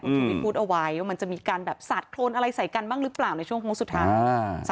คุณชุวิตพูดเอาไว้ว่ามันจะมีการแบบสาดโครนอะไรใส่กันบ้างหรือเปล่าในช่วงโค้งสุดท้าย